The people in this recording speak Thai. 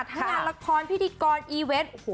งานละครพิธีกรอีเวนต์